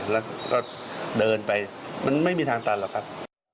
แล้วก็เดินไปมันไม่มีทางตันหรอกครับ